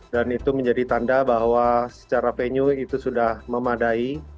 dan itu menjadi tanda bahwa secara venue itu sudah memadai